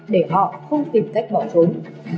để họ không tìm cách bỏ trốn